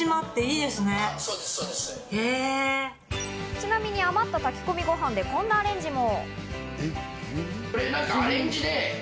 ちなみに余った炊き込みご飯でこんなアレンジも。